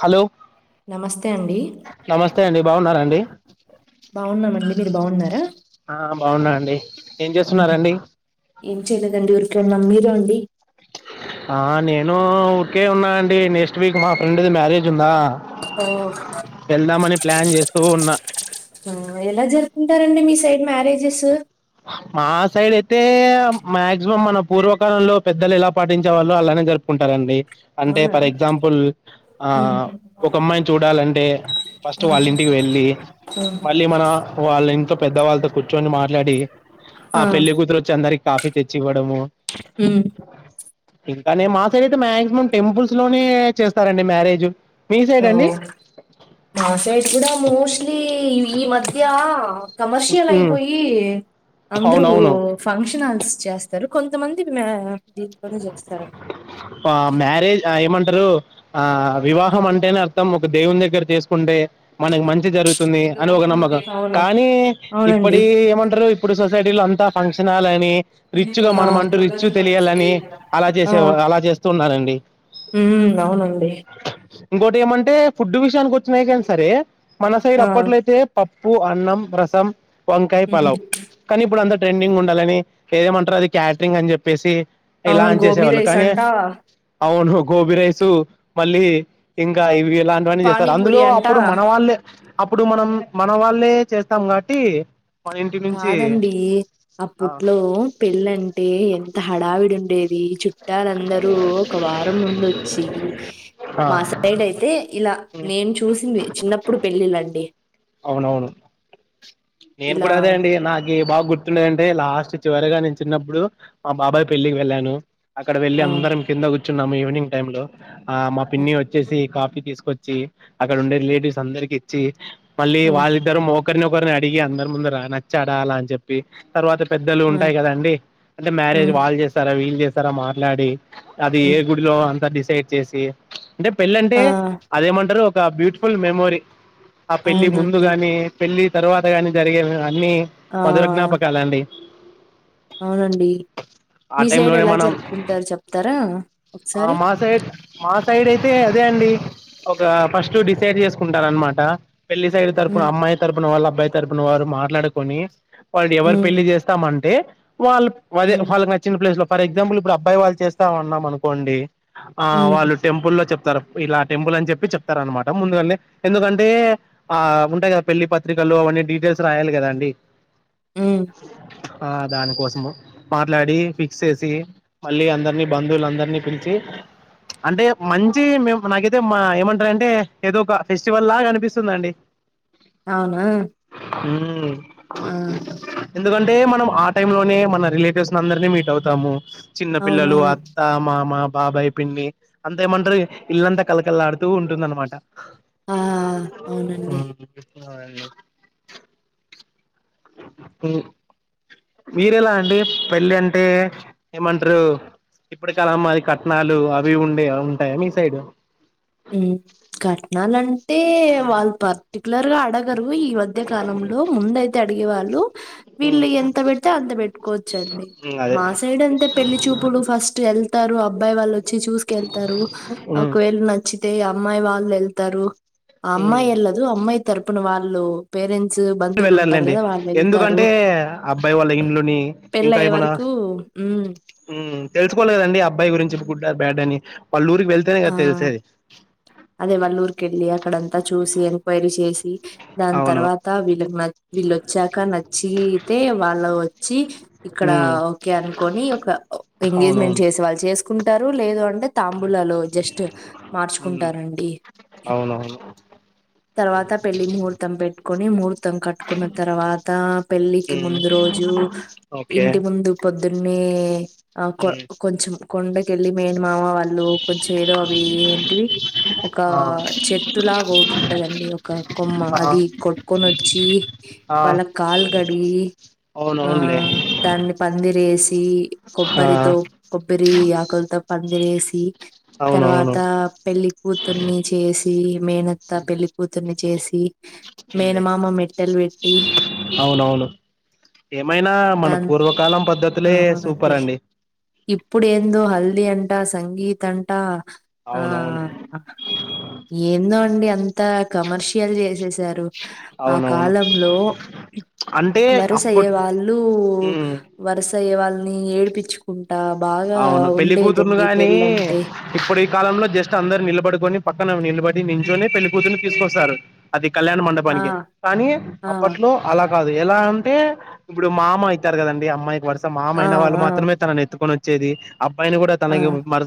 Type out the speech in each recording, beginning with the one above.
Hello నమస్తే అండి నమస్తే అండి బాగున్నారండి బాగున్నామండి మీరు బాగున్నారా బాగున్నాండి ఏం చేస్తున్నారండి తిన్నాం మీరు అండి ఆ నేను ఊరికే ఉన్నా అండి నెక్స్ట్ వీక్ మా ఫ్రెండ్ది మ్యారేజ్ ఉందా ఓ వెళ్దామని ప్లాన్ చేస్తూ ఉన్నా ఎలా జరుపుతుంటారండి మీ సైడ్ మ్యారేజెస్ మా సైడ్ అయితే మాక్సిమం మన పూర్వకాలంలో పెద్దలు ఎలా పాటించే వాల్లో అలానే జరుపుకుంటారండి అంటే అవునా ఫర్ ఎగ్జాంపుల్ ఆ మ్మ్. ఒక అమ్మాయిని చూడాలంటే ఆ ఫస్ట్ వాళ్ళ ఇంటికి వెళ్ళి ఆ, మళ్ళీ మన వాళ్ళ ఇంట్లో పెద్దవాళ్ళతో కూర్చొని మాట్లాడి ఆ పెళ్లికూతురు వచ్చి అన్ అందరికీ కాఫీ తెచ్చి ఇవ్వడము ఉమ్ ఇంకానే మా సైడ్ అయితే మాక్సిమం టెంపుల్స్ లోనే చేస్తారండి మ్యారేజు ఓ మా సైడ్ కూడా మోస్ట్లీ ఈ మధ్య కమర్షియల్ మ్మ్ అయిపోయి అందరూ అవునవును ఫంక్షన్ హాల్ చేస్తారు కొంతమంది మ్యా దీంట్లోనే చేస్తారు ఆ మ్యారేజ్ ఆ ఏమంటారు ఆ వివాహం అంటేనే అర్థం ఒక దేవుని దగ్గర చేసుకుంటే మనకు మంచి మంచి జరుగుతుంది అని ఒక నమ్మకం అవును కానీ అవునండి ఇప్పటి ఏమంటారు ఇప్పుడు సొసైటీలో అంతా ఫంక్షన్ హాల్ అని రిచ్ గా ఆ మనం అంటూ రిచ్ తెలియాలి అని అలా చేసే వారు అలా చేస్తున్నారండి డి ఉమ్ అవునండి ఇంకోటి ఏమంటే ఫుడ్ విషయానికి వచ్చినాయి కానీ సరే మన సైడ్ ఆ! అప్పట్లో అయితే పప్ పూ అన్నం, రసం వంకాయ హ్మ్. పలావ్ కానీ ఇప్పుడు అందరు ట్రెండింగ్ ఉండాలని ఏదేమంటారు అది క్యాటరింగ్ అని చెప్పేసి ఇలా అవును. అని గోబీ చేసేవాళ్ళు రైస్ కానీ అంట, అవును గోబి రైస్ మళ్ళీ ఇంకా ఇవి ఇలాంటివన్నీ చేస్తారు పానీపూరి అందులో అంట. అప్పుడు మన వాళ్ళే అప్పుడు మనం మన వాళ్ళే చేస్తాం కాబట్టి మన ఇంటి నుంచి కాదండి ఆ అప్పట్లో పెళ్ళంటే ఎంత హడావిడి ఉండేది చుట్టాలందరూ ఒక వారం ముందు వచ్చి. ఆ మా సైడ్ అయితే ఇలా నేను చూసింది. చిన్నప్పుడు పెళ్ళిళండి అవునవును నేను ఇలా, కూడా అదే అండి నాకు బాగా గుర్తుండదంటే లాస్ట్ చివరగా నేను చిన్నప్పుడు మా బాబాయ్ పెళ్లికి వెళ్ళాను. అక్కడ వెళ్ళలి ఆ! అందరం కింద కూర్చొ చున్నాము ఈవినింగ్ టైమ్ లో ఆ మా హ్మ్. పిన్ని వచ్చేసి కాఫ తీసుకొచ్చి అక్కడ ఉండే రిలేటివ్స్ అందరికి ఇచ్చి మళ్ హ్మ్. వాళ్ళిద్దరు మ ఒకరిని ఒకరిని అడిగి అందరి ముందు నచ్చడాల అని చెప్పి తర్వాత, పెద్దలు ఆ! ఉంటాయి కదండి అంటే మ్యారేజ్ హ్మ్. వాళ్ళు చేస్తారా వీళ్ళ చేస్త తర మాట్లాడి అది ఏ హ్మ్. గుడిలో అంత డిస్ సేట్ చేసి అంటే పెళ్ళ అంటే ఆ! అదేమంటారు బ్యూటిఫుల్ మెమోరి ఆ పెళ్ళి అవునండి. ముందుగాని పెళ్ళి తర్వాత కాగానీ జరిగే ఇన్ని ఆ! మదుర జ్ఞాపకాాల అండి. అవునండి ఆ మీ టైమ్ సైడ్ లోనే ఎలా మనం జరుపు ఆ మా సైడ్ మా సైడ్ అయితే అదే అండి ఒక ఫస్ట్ డిసైడ్ చేసుకుంటార అనమాట పెళ్లి సైడ్ తర్పు హ్మ్. అమ్మయి తర్పు వల్ అబ్బాయ తరపుున వారు మాట్లాడుకొని వాళ్ళు ఎవరు హ్మ్. పెళ్లి చేస్తామంటే వాళ్ళుదే హ్మ్. వాళ్ళకి నచ్చిన ప్లేస్ లో ఫర్ ఎక్సమ్ప్లె ఇప్పుడు అబ్బాయి వాళ్ళు చేస్తా ఉన్నాం అనుకోండి ఆ హ్మ్. వాళ్ళు టెంపుల్ లో చెప్ చెప్తారు ఇలా టెంపుల్ అని చెప్పి చెప్తారన్నమాట ముందుగానే ఎందుకంటే ఆ ఉంటాయి కదా పెళ్లి పత్రికలు అవన్నీ డీటెయిల్స్ రాయాలి కదా అండి ఊ ఆ దానికోసము మాట్లాడి ఫిక్స్ చేసి మళ్ళీ అందరినీ బంధువులు అందరినీ పిలిచి అంటే మంచి మే నాకైతే మా ఏమంటారంటే ఏదో ఒక ఫెస్టివల్ లాగా అనిపిస్తుందండి అవునా ఊ ఆ! ఎందుకం అంటే మనం ఆ టైం లోనే మన రిలేటివ్స్ అందరినీ మీట్ అవుతాము చిన్న పిల్లలు అవునవును. అత్త మామ బాబాయ్ పిన్ని అంతా ఏమంటారు ఇల్లంతా కలకళలాడుతూ ఉంటుందన్నమాట ఆ! ఊ అవునండి. అ [unintelligible] మీరెలా అండి పెళ్ళి అంటే ఏమంటరు ఇప్పటికాలమ్మాది కట్నాలు అవి ఉండే ఉంటాయా మీ సైడ్ ఊ కట్నాలు అం అంటే వాళ్ళు పర్టిక్యులర్ గా అ అడగరు ఈ మధ్య కాలంలో ముందు అయితే అడిగేవారు హలో ఉమ్ వీళ్ళు ఎంత పెడితే అంత పెట్టుకోవచ్చండి అదే మా సైడ్ అంతే పెళ్లి చూపులు ఫస్ట్ వెళ్తారు అబ్ అబ్బాయి వాళ్ళు వచ్చి చూసుకెళ్తారు ఉమ్ ఒకవేళ నచ్ నచ్చితే అమ్మాయి వాళ్ళు వెళ్తారు అమ్మాయి ఎల్లదు అమ్మాయి తరుపునవాళ్ హలో వెళ్ళాలి లేండి ఎందుకంటే అబ్బాయి వాళ్ళ ఇల్లుని ఇంకా పెళ్లయ్యే ఏమైనా వరకు హ్మ్. ఊ తెలుసుకోవాలి కదండి అబ్బాయి గురించి గుడ్డా బ్యాడ్ అని వాళ్ళ ఊరికి వెళ్తేనే ఆ కదా తెలిసేది అదే వల్లూర్కి ఎళ్ళి అక్కడంతా చూసి ఎంక్వైరీ చేసి దాని అవును తర్వాత వీళ్ళకి నా వీళ్ళొచ్చాక నచ్చి అతే వాళ్ళు వచ్చి ఇక్కడ ఉమ్ ఓకే అనుకొని ఒక ఎంగేజ్మెంట్ అవునవును చేసే వాళ్ళు చేసుకుం టారు లేదు అంటే తాంబులాలు జస్ట్ ఉమ్ మార్చుకుంటారండి అవునవును తర్వాత పెళ్లి ముహూర్తం పెట్ కొని ముహూర్తం కట్టుకున్న తర్వాత పెళ్ళికి ఉమ్ ముందు రోజూ ఓకే ఇంటి ముందు పొద్దున్న మే ఆ కొ ఉమ్ కొంచెం కొండ కళ్ మేన్ మావా వాని లో ఏదో అవి ఏంటి ఒక ఆ చెట్టులాగా ఒకటి ఉంటదండి ఒక కొమ్మ ఆ అది కొట్టుకొని వచ్చి ఆ వాళ్ళ కాలు కడిగి ఆ అవునవునులే దాన్ని పందిరి దేశీ ఆ కొబ్బరితో కొబ్బరి ఆకులతో పందిర వేసి అవునవును తర్వాత పెళ్ళి కూతుర్ని చేసి మేనత్తా పెళ్లి కూతుర్ని చేసి మేన ఉంది మామ మట్ టెల్ వెట్టి. అవునవును ఏమైనా మన దాని పూర్వకాలం పద్ధతి. అవునండి ఇప్పుడు ఎందో. హల్ది అంటా సంగీత్ అంటా. ఆ అవునవును ఏందో అండి అ. అంతా కమర్షియల్ చేసే ారు ఆ అవునవును కాలంలో అంటే వరుస అయ్యే అప్పట్ వాళ్ళు మ్మ్ సైేవా ని ఏడ్పించుకుంట అవును పెళ్లి కూతురులు కాగాని పెళ్ళంటే. ఇప్పుడు ఈ కాలంలో జస్ట్ అందరు నిలబడుకొని పక్కన నిలబడి నించునే పెళ్లిికూతురుని తీసుకొస్తారు అది కళ్యాణ ఆ! మండపానికి కానీ ఆ! అప్పట్లో అలా కాదు ఎలా అంటే ఇప్పుడు మా అమ అవుతారు కదండి అమ్మాయికి వర్ ఆ! మామైన వాళ్ళు ఆ! మాత్రమే తన ఎత్తుకుొని చెది అబ్బాయిని కూడా ఆ! తనకి మ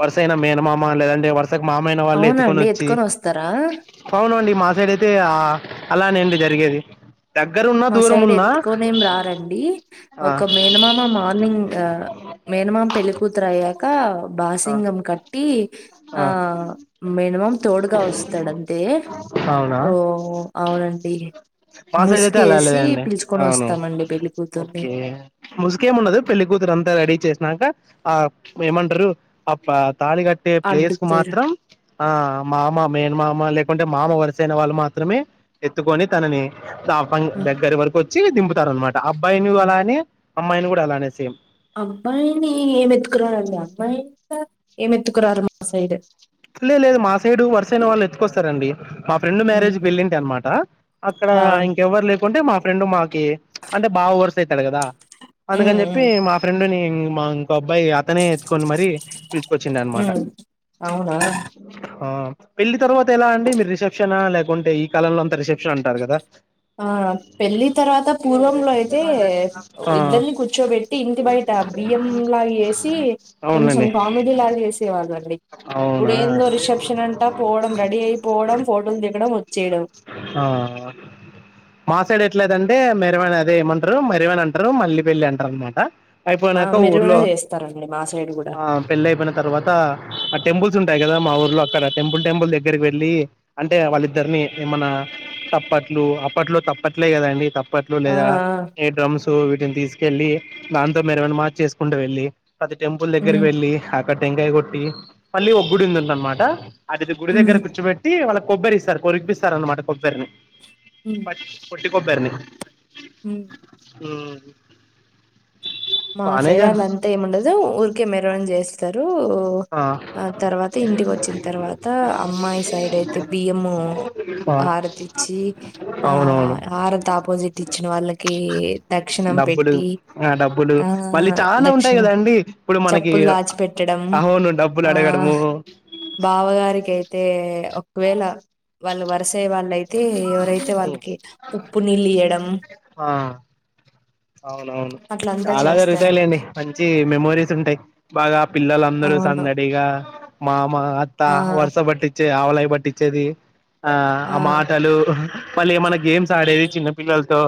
వరుసైన మేనమామా లేదంటే వ అస మామయిైన వాళ్ళు ఎత్తుకొని అవునండి వచ్చి వస్తారా? అవునుండి మా సైడ్ అయితే అలానేండి జ తగేది మా సైడ్ ఎత్తుకొనేం రారంండి ఆ ఒక మేనమామ మార్నింగ్ మేనమామ పెళ్ళికూతురు అయ్యాక ఆ బాసింగం కట్టి అ ఆ మేనమామ తోడుగా వస్తాడుంతే అవునా ఓ అవునండి ముసు అ అలా లేదండి అవును పెళ్ళికూతుర్ని. ఓకే ముసుకేమి ఉండదు పెళ్లి కూతురు అంతా రెడీ చేస్త ఆ ఏమంటరు అ తాళి కట్టే ప్లేస్ కు అడ్డుతెర మాత్రం ఆ మామ మేన్ మామ లే అంటే మామ వరుసైన వాళ్ళు మాత్రమే ఎత్తుకొని తనని ఆ! దగ్గర వరకు చి దింబతారా అబ్బాయిని ఆ! వాలని అమ్మాయిని కూడా అలానే సేమ్ అబ్బాయిని ఏం ఎత్తుకురారుండి అమ్మాయింట ఏంమెత్తుకురారు మా సైడ్ లే లేదు మా సైడు వరుసైన వాళ్ళు ఎత్తుకొస్తారంండి. మా ఫ్రెండ్ ఉమ్ మ్యారేజ్ పెళ్లివుండే అనమాట అక్కడ ఆ ఇంకెవ్వరు లే. కుంటే మా ఫ్రెండ్ మాకి అంటే బావ వరస అవుతాడు కదా ఉమ్ అందుకని చెప్పి ఉమ్ మా ఫ్రెండ్ని మ ఒక అబ్బాయి అతనే ఎత్తుకొని మరి పిచుకొచ్చిడు అనమాట ఉమ్ అవునా హ పెళ్ళలి తర్వాత ఎలా అండి. మీరు రిసెప్షనా లేకుంటే ఈ కాలంలో అంత రిసెప్షన్ అంటారు. కదా ఆ పెళ్ళి తర్వాత పూర్వంలో అయితే ఆ ఇద్దరిని కూర్చోబెట్టి ఇంటి బయట బియ్యం లాగా చేసి కొంచెం అవునులేండి కామెడీ లాగా చేసేవాళ్ళండి. అవునా ఇప్పుడేందో రిసెప్షన్ అంటా పోవడం రెడీ అయిపోవడం ఫోటోలు దిగడం వచ్చేయడం. మాసాడు ఎట్లేదంటే మెరవన అదే ఏమంటారు మెరవన అంటారు మళ్ళీ పెళ్లి అంటారు అనమాట ఆ అయిపోయినాక మెరుగున ఊర్లో చేస్తారండి మా సైడ్ కూడా ఆ పెళ్ళి అయిపోయిన తర్వాత టెంపుల్స్ ఉంటాయి కదా మా ఊర్లో అక్కడ టెంపుల్ టెంపుల్స్ దగ్గరకి వెళ్ళి అంటే వాళ్ళిద్దరిని ఏమైన్నా తప్పట్లు అప్పట్లో తప్పట్లే కదా అండి తప్ప ప్పట్లు ఆ లేదా ఆ ఈ డ్రమ్స్ వీటిని తీసుకు వెళ్ళి దాంతో మరమనా మాచ చేసుకుంటూ వెళ్ళి అతి టెంపుల్ ఉమ్ దగ్గరికి వెళ్ళి కట్టెంకాయ కొట్టి మళ్ళీ ఒగ్గుడిందుంట అనమాట అది గుడి ఉమ్ దగ్గర కూచపెట్టి నా వాళ్ళ కొబ్బరి సార్ కొరిపిస్తార్ అన్నమాట కొబ్బరిని ప పటి కొబ్బర్ని హ ఆ మా శైరాళ్ళ అంతా ఏము ఉండదు ఊరికే మెరం చేస్తారు ఆ తర్వాత ఇంటికి వచ్చిన తర్వాత అమ్మాయి సైడ్ అయితే బియ్యము ఆ హారతి ఇచ్చి. ఆ అవునవును హారతి ఆపోజిట్ ఇచ్చిన వాళ్ళకి దక్షిణం పెట్టి. లు ఆ మళ్ళీ చాలా ఉంటాయి దక్షిణం కదా అండి ఇప్పుడు మనకి చెప్పులు దాచిపెట్టడం అహోను డబ్బులు ఆ అడగడము బావగారికైతే ఒకవేళ వాళ్ళు వరసే వాలై తే ఎవరైతే వాళ్ళకి ఉప్పు నీళ్ళు ఇయడం ఆ అవునవును చాలా జరుగుతాయిలేండి చేస్తారండి. మంచి మెమోరీస్ ఉంటాయ్ బాగా పిల్లలందరూ అవును. సందడిగా మామ అత్తా ఆ! వరుస బట్టి చ్ తే ఆవలయి పట్టిచేది ఆ ఆ మాటలు మళ్ళీ మనకి గేమ్స్ ఆడేది చిన్నపిల్లలతో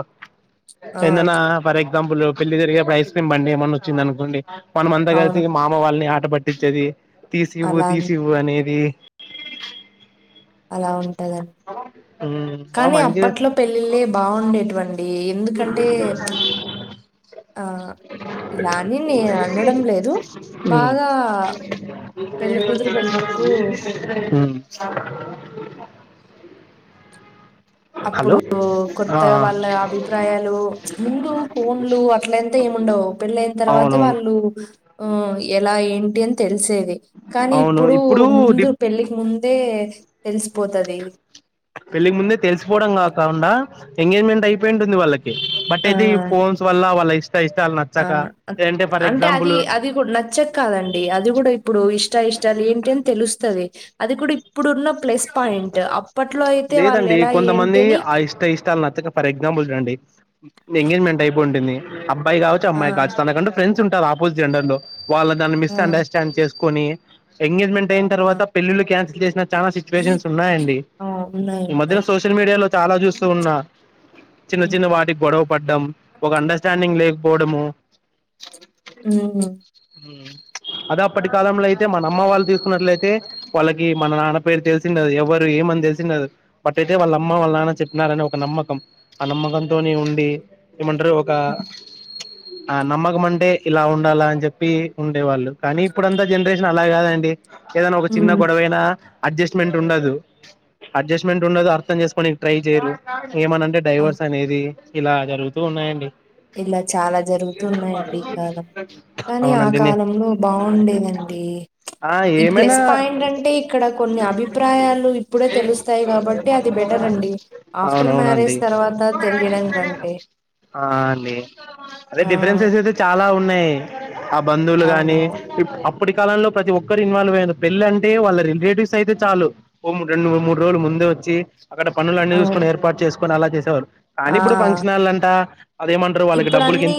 ఆ ఎగ్జాంపుల్ పెళ్లి జరిగినప్పుడు ఐస్ క్రీమ్ ఏమన్నా వచ్చంది అనుకోండి మనంమంతా కలిసి అవును. ఇగ మామ వాళ్ళని ఆ ట పట్టిచ్చేది తీసివ్వు అలా తీసివ్వు అనేది అలా ఉం తగన్ ఆమ్ బా మంచిగ బావుండేటివండి. ఆ ఇలాని నేను అనడం లేదు బాగా పెళ్లికూతురు పెళ్ళికొడుకు అప్పుడు హలో ఆ కొత్తగా వాళ్ళ అభిప్రాయాలు మ్చ్ ముందు ఫోన్లు అట్లేంత ఏముండవు పెళ్ళైన తర్వాతే అవునవును వాళ్ళు ఆ ఎలా ఏంటి అని తెలిసే తే కానీ ఇప్పుడు ముందు పెళ్ళికి ముందే తెలిసిపోతాది పెళ్లికి ముందే తెలిసిపోవడం కాకండా ఎంగేజ్మెంట్ అయిపోయి ఉంటుంది వాళ్ళకి కే బట్ అయితే ఈ ఫోన్స్ వల్ల వాళ్ళ ఇష్ ఆ ఆ అంటే అది ఎగ్జాంపుల్ అది నచ్చక కాదండి అది కూడా ఇప్పుడు ఇష్ ఇష్ట ఇష్టాలు ఏంటి అని తెలుస్తది అది కూడా ఇప్పుడున్న ప్లస్ పాయింట్ అప్పట్లో అయితే వాళ్ళు లేదండి ఎలా ఏంటి కొంతమంది అని ఆ ఇష్ట ఇష్టాలు నచ్చక ఫర్ కొంటిని అబ్బయి కావచ్చు ఆ! అమ్మాయి కాచ్చు తనకంటు ఫ్రెండ్స్ ఆపోజిట్ జండర్ లో వాళ్ళ దాన్ని ఆ! మిస్ అండర్స్టాండ్ చేస్ కొని ఎంగేజ్మెంట్ పెళ్ళి అయినా ఆ! తరువాత పెళ్ళిలు కాన్సల్ చాలా సిచ్యువేషన్స్ ఉన్నాయండి ఆ! ఉన్నాయి. ఈ మధ్యలో ఉన్నాయి. సోషల్ మీడియాలో చాలా చూస్తూ ఉన్నా చిన్న హ్మ్. చిన్న వాటికి గొడవ పడ్డం ఒక అండర్స్టాండింగ్ లేకపోవడము హ్మ్. అదే అప్పటి కాలంలో ఐతే అయితే మన అమ్మ వాళ్ళు తీసుకున్నట్లయితే వాళ్ళకి మన నాన్న పేరు తెలిసిండది ఎవరు ఏమని తెలిసిండదు బట్ అయితే వాళ్ళ అమ్మ వాళ్ళ నాన్న చెప్పినారని ఒక నమ్మకం ఆ నమ్మకంతోని ఉండి ఏమంటారు ఒక హ్మ్. ఆ నమ్మకంమంటే ఇలా ఉండాలా అని చెప్పి ఉండేవాళ్ళు కానీ ఇప్పుడంతా జనరేషన్ నేన్ అలా కాదండి ఏదనా ఒక చిన్న హ్మ్. గొడవైనా అడ్జస్ట్మెంట్ ఉండదు అడ్జస్ట్మెంట్ ఉండదు అర్థం చేసుకోనికి ట్రై చేయరు ఏమన అంటే అవును. డైవర్స్ అనేది ఇలా జరుగుతూ ఉన్నాయండి ఇలా చాలా జరుగుతుూ ఉన్నాయండి ఈ కాలం కానీ ఆ అవునండి నే కాలంలో బాగుండేదండి ఆ ఈ ప్లస్ ఏమైనా పాయింట్ అంటే ఇక్కడ కొన్ని అభిప్రాయాలు ఇప్పుడే తెలుస్తాయి కాబట్టి అది బెటర్ అండి ఆఫ్టర్ మ్యారేజ్ అవునవునండి తర్వాత తెలియడం కంటే ఆ అదే ఆ డిఫరెన్సెస్ అయితే చాలా ఉన్నాయి ఆ బంధువులు గాని అవునవును ఇప్పటి కాలంలో ప్రతి ఒక్కరు ఇన్వాల్వ్ అయ్యారు పెళ్ళి అంటే వాళ్ళ రిలేటివ్స్ అయితే చాలు ఓ రెండు మూడు రోజులు ముందు వచ్చి అక్కడ పనులు అన్నీ అవును చూసుకోని ఏర్పాటు చేసు కొన్ని అలా చేసేవారు కానీ ఆ ఇప్పుడు ఫంక్షన్ళంటా అదేమన్నా ఇప్పుడు అన్నీ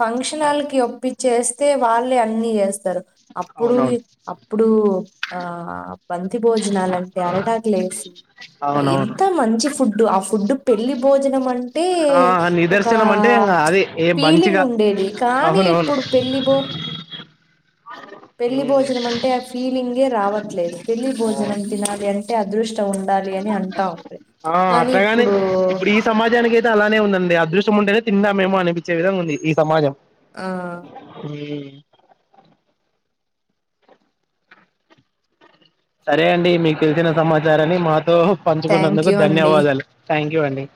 ఫంక్షన్కాలకి ఒప్పిచ్చేస్తే వాళ్ళే అన్ని ఎయెస్తారు అప్పుడు అవునవును అప్పుడు ఆ బంతి భోజనాలంటే అరి టాకులేసి అవునవును ఎంత మంచి ఫుడ్డు ఇప్పుడు పెళ్ళి భోజనం అంటే ఆ నిదర్ ఒక ఫీలింగ్ ఉండేది కానీ అవునవును ఇప్పుడు పెళ్ళి బో పెళ్లి మ్మ్ భోజనం అంటే ఆ ఫీలింగ్ అే రావట్లేదు పెళ్లి అవును భోజనం తినాలి అంటే అదృష్టం ఉండాలి అని అంటాం ఆ అట్గాని ఇప్పుడు ఈ సమాజానికి అయితే అలానే ఉందండి అదృష్ట్యం ఉంటేనే తింద ఏమో అనిపించే విధంగా ఉంది ఈ సమాజం ఆ సరే అండి మీకు తెలిసిన సమాచారాన్ని మాత్ తో థ్యాంక్ పంచుకున్నందుకు యూ అండి ధన్యవాదాలు థ్యాంక్ యు అని